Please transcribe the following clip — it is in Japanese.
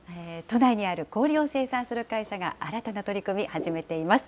都内にある氷を生産する会社が、新たな取り組み始めています。